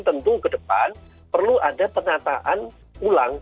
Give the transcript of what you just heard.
tentu ke depan perlu ada penataan ulang